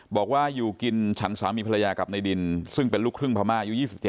บอกว่าอยู่กินฉันสามีภรรยากับในดินซึ่งเป็นลูกครึ่งพม่าอายุ๒๗